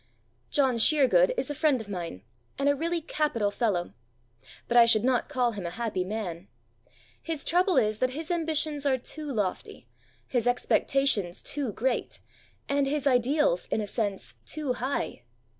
John Sheergood is a friend of mine, and a really capital fellow. But I should not call him a happy man. His trouble is that his ambitions are too lofty, his expectations too great, and his ideals, in a sense, too high.